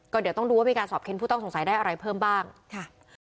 เดี๋ยวต้องดูว่ามีการสอบเค้นผู้ต้องสงสัยได้อะไรเพิ่มบ้างค่ะ